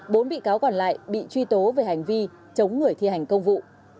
bốn bị cáo còn lại bị truy tố về hành vi chống người thi hành công vụ